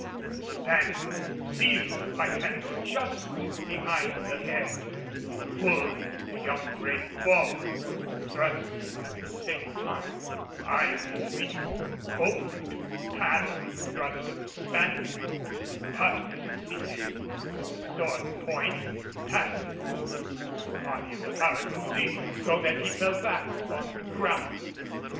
The Spaniard seized the pike handle just behind the head and pulled the young brave forward, thrusting at the same time, I made a leap, hoping to parry the thrust of the Spaniard, and partly succeeded, but the sword point passed through the body of the Paracousi so that he fell back upon the ground.